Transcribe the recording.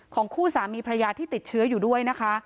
คู่สามีพระยาที่ติดเชื้ออยู่ด้วยนะคะ